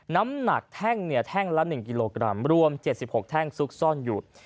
น้ำหนักแท่งแท่งละ๑กิโลกรัมรวม๗๖แท่งซุกซ่อนอยู่